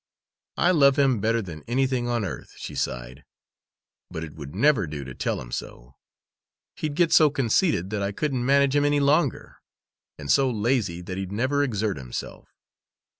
"I love him better than anything on earth," she sighed, "but it would never do to tell him so. He'd get so conceited that I couldn't manage him any longer, and so lazy that he'd never exert himself.